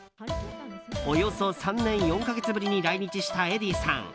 およそ３年４か月ぶりに来日したエディさん。